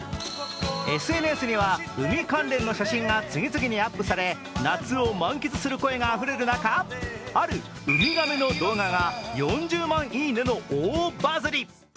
ＳＮＳには海関連の写真が次々にアップされ、夏を満喫する声があふれる中あるウミガメの動画が４０万いいねの大バズり。